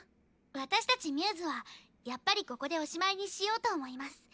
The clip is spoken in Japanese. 私たちμ’ｓはやっぱりここでおしまいにしようと思います。